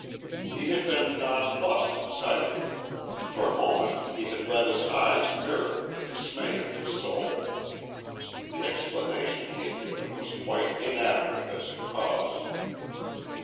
He had been nonplussed at sight of them. For a moment he had let his eyes mirror the dismay of his soul. The explanation he had given was quite inadequate as a cause.